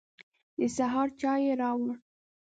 د سهار چای يې راوړ.